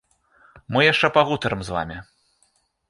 Мы яшчэ пагутарым з вамі.